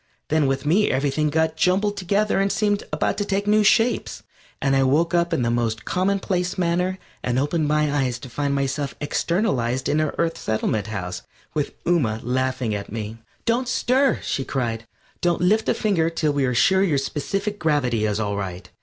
Then with me everything got jumbled together and seemed about to take new shapes, and I woke up in the most commonplace manner and opened my eyes to find myself externalized in our Earth Settlement House with Ooma laughing at me. "Don't stir!" she cried. "Don't lift a finger till we are sure your specific gravity is all right."